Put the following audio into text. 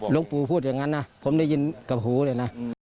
หลวงปู่พูดอย่างนั้นนะผมได้ยินกับหูเลยนะ